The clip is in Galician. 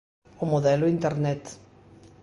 O modelo Internet.